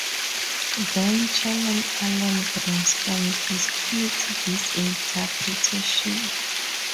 Then-Chairman Alan Greenspan disputes this interpretation.